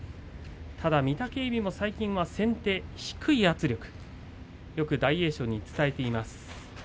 御嶽海も最近は先手、低い圧力大栄翔に伝えています。